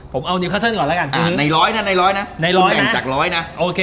ผมเอานิวคัลเซ็นต์ก่อนละกัน